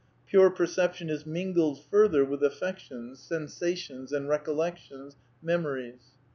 Pure perception is mingled, further, with affections (sensa yiTALISM 59 tions) and recollections (memories).